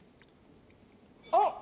あっ！